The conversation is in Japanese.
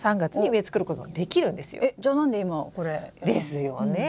えっじゃあ何で今これ。ですよねえ！